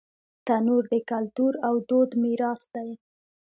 تنور د کلتور او دود میراث دی